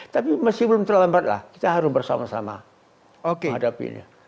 tapi masih belum terlambat lah kita harus bersama sama menghadapinya